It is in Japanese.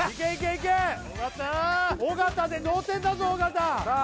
尾形で同点だぞ尾形さあ